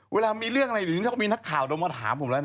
เวลามีเรื่องอะไรอยู่นี้เขามีนักข่าวมาถามผมแล้วนะ